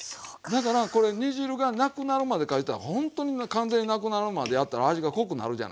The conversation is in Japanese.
だからこれ煮汁がなくなるまでかいうたらほんとに完全になくなるまでやったら味が濃くなるじゃないですか。